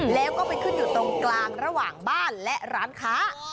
แล้วก็ไปขึ้นอยู่ตรงกลางระหว่างบ้านและร้านค้า